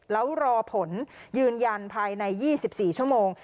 แล้วรอผลยืนยันภายใน๒๔ชั่วโมง